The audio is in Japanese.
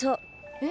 えっ？